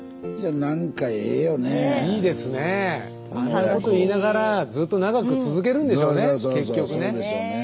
あんなこと言いながらずっと長く続けるんでしょうね結局ね。